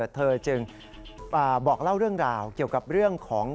เธอจึงบอกเล่าเรื่องราวเกี่ยวกับเรื่องของ